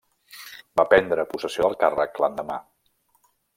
Va prendre possessió del càrrec l'endemà.